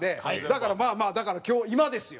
だからまあまあ今日今ですよ。